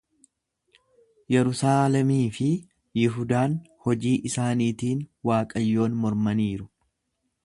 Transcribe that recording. Yerusaalemii fi Yihudaan hojii isaaniitiin Waaqayyoon mormaniiru.